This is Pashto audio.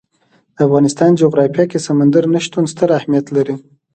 د افغانستان جغرافیه کې سمندر نه شتون ستر اهمیت لري.